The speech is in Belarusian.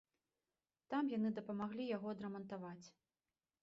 Там яны дапамаглі яго адрамантаваць.